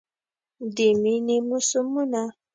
د میینې موسمونه